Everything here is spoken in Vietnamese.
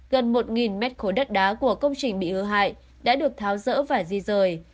gần một mét khối đất đá của công trình bị hư hại đã được tháo rỡ và di rời